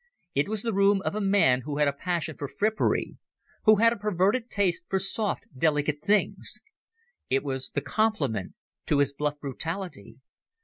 It was the room of a man who had a passion for frippery, who had a perverted taste for soft delicate things. It was the complement to his bluff brutality.